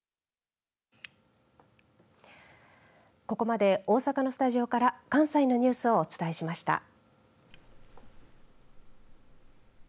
ここまで大阪のスタジオから関西のニュースをお伝えしました。